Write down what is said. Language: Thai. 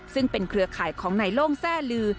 ซึ่งเป็นเครือข่ายของนายโล่งแทร่ลือ